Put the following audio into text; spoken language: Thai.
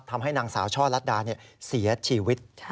ทำให้นางสาวช่อลัดดาเสียชีวิต